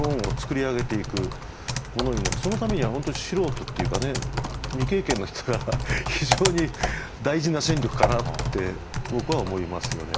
そのためには本当素人っていうかね未経験の人が非常に大事な戦力かなって僕は思いますよね。